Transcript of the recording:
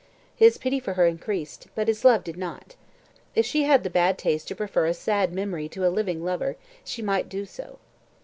His pity for her increased, but his love did not. If she had the bad taste to prefer a sad memory to a living lover, she might do so.